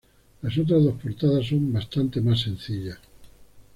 Las otras dos portadas son bastante más sencillas.